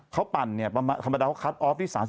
เขาปั่นประมาณคัตออฟที่